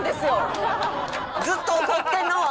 ずっと怒ってるのは！